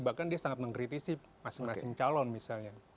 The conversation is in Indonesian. bahkan dia sangat mengkritisi masing masing calon misalnya